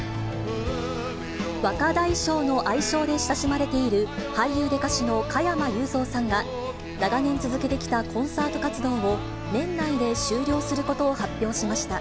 若大将の愛称で親しまれている、俳優で歌手の加山雄三さんが、長年続けてきたコンサート活動を、年内で終了することを発表しました。